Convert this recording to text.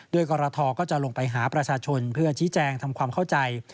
โดยกรทก็จะลงไปหาประชาชนเพื่อชี้แจงทำความเข้าใจ